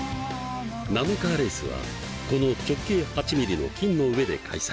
ナノカーレースはこの直径８ミリの金の上で開催。